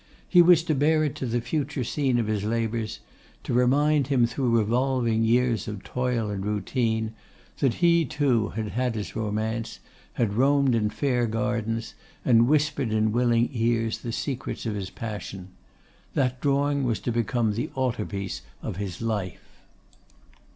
He was to bear it to the future scene of his labours, to remind him through revolving years of toil and routine, that he too had had his romance, had roamed in fair gardens, and whispered in willing ears the secrets of his passion. That drawing was to become the altar piece of his life.